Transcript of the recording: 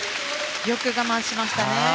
よく我慢しましたね。